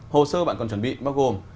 hồ sơ bạn còn chuẩn bị bao gồm